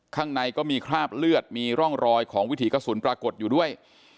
ข้างในก็มีคราบเลือดมีร่องรอยของวิถีกระสุนปรากฏอยู่ด้วย